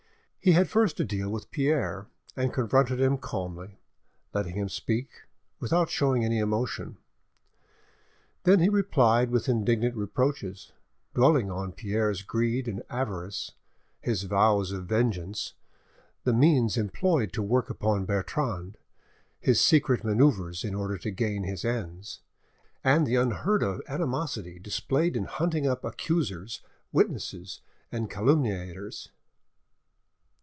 He had first to deal with Pierre, and confronted him calmly, letting him speak, without showing any emotion. He then replied with indignant reproaches, dwelling on Pierre's greed and avarice, his vows of vengeance, the means employed to work upon Bertrande, his secret manoeuvres in order to gain his ends, and the unheard of animosity displayed in hunting up accusers, witnesses, and calumniators.